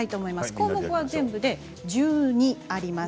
項目は全部で１２あります。